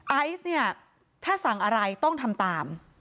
ไอซ์เนี่ยถ้าสั่งอะไรต้องทำตาม